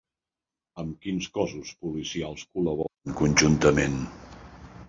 Amb quins cossos policials col·laboren conjuntament?